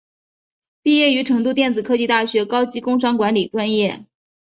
毕业于成都电子科技大学高级工商管理专业。